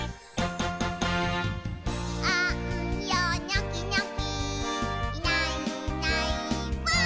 「あんよニョキニョキいないいないばぁ！」